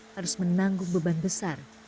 harus menanggung beban besar